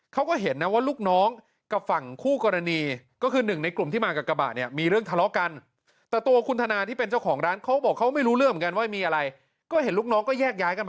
เขาก็เห็นนะว่าลูกน้องกับฝั่งคู่กรณีก็คือหนึ่งในกลุ่มที่มากับกระบาดเนี่ย